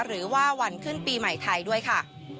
หรือว่าวันขึ้นปีใหม่ไทยด้วยค่ะ